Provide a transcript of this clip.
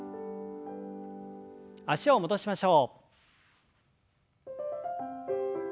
脚を戻しましょう。